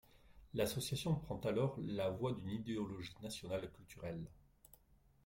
L'association prend alors la voie d'une idéologie nationale culturelle.